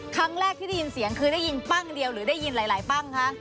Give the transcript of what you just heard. ครั้งแรกที่ได้ยินเสียงคือได้ยินปั้งเดียวหรือได้ยินหลายปั้งคะ